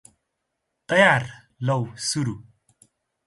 तयार! लौ सुरु!"